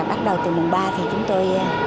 bắt đầu từ mùng ba thì chúng tôi